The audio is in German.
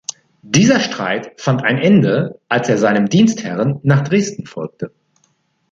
Dieser Streit fand ein Ende, als er seinem Dienstherren nach Dresden folgte.